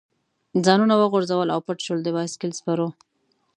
ځانونه وغورځول او پټ شو، د بایسکل سپرو.